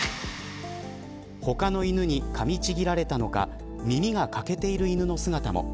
他の犬に、かみちぎられたのか耳が欠けている犬の姿も。